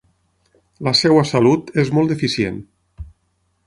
La seva salut és molt deficient.